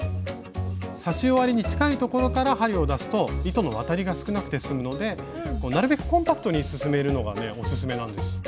刺し終わりに近いところから針を出すと糸の渡りが少なくてすむのでなるべくコンパクトに進めるのがオススメなんです。